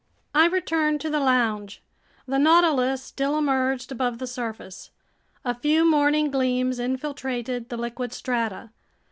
I returned to the lounge. The Nautilus still emerged above the surface. A few morning gleams infiltrated the liquid strata.